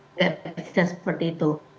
nggak bisa seperti itu